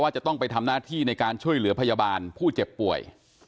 จะต้องไปทำหน้าที่ในการช่วยเหลือพยาบาลผู้เจ็บป่วย